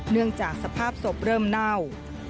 เนื่องจากสภาพศพเริ่มเน่า